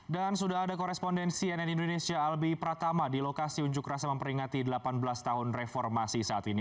dan sudah ada korespondensi nn indonesia albi pratama di lokasi unjuk rasa memperingati delapan belas tahun reformasi saat ini